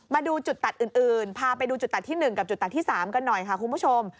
มาดูจุดตัดอื่นพาไปดูจุดตัดที่๑กับจุดตัดที่๓กันหน่อยค่ะคุณผู้ชม